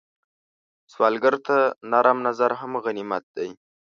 سوالګر ته نرم نظر هم غنیمت دی